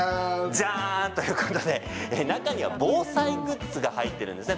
じゃーん！ということで中には防災グッズが入っているんですね。